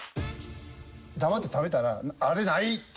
黙って食べたら「あれ？ない」って。